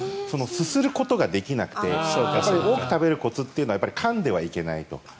すすることができなくて多く食べるコツというのはかんではいけないと。